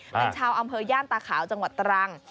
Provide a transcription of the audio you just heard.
เป็นชาวอำเภอย่านตาขาวจังหวัดตรัง